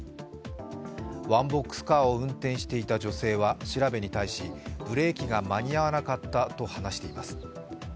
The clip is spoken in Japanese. ワンボックスカーを運転していた女性は調べに対しブレーキが間に合わなかったと話しています。